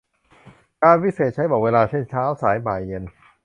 กาลวิเศษณ์ ใช้บอกเวลา เช่น เช้า สาย บ่าย เย็น